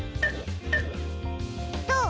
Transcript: どう？